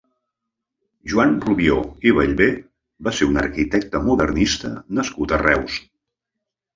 Joan Rubió i Bellver va ser un arquitecte modernista nascut a Reus.